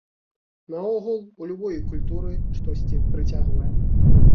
Наогул, у любой культуры штосьці прыцягвае.